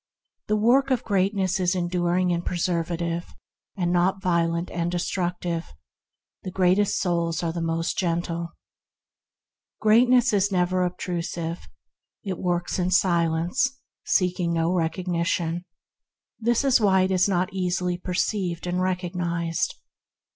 The work of greatness is enduring and preservative, and not violent and destructive. The greatest souls are the gentlest. Greatness is never obtrusive. It works in silence, seeking no recognition, which is why it is not easily perceived and recog nized.